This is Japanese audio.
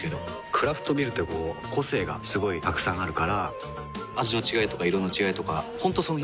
クラフトビールってこう個性がすごいたくさんあるから味の違いとか色の違いとか本当その日の気分。